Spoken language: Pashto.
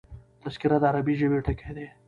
تذکره د عربي ژبي ټکی دﺉ.